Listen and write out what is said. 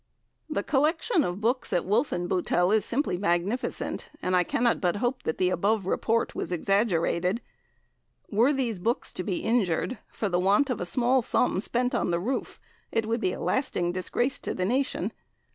The collection of books at Wolfenbuttel is simply magnificent, and I cannot but hope the above report was exaggerated. Were these books to be injured for the want of a small sum spent on the roof, it would be a lasting disgrace to the nation.